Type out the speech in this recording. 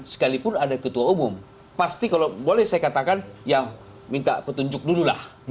sekalipun ada ketua umum pasti kalau boleh saya katakan ya minta petunjuk dulu lah